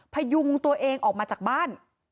พยุงตัวเองออกมาจากบ้าน